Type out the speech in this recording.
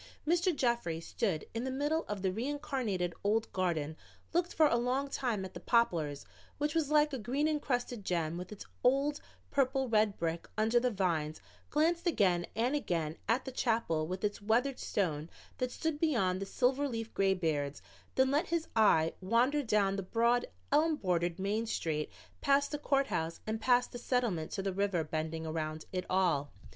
Mr. Jeffries stood in the middle of the reincarnated old garden, looked for a long time at the Poplars, which was like a green encrusted gem with its old purple red brick under the vines, glanced again and again at the chapel with its weathered stone that stood beyond the silver leafed graybeards, then let his eye wander down the broad elm bordered main street past the courthouse and past the Settlement to the river bending around it all.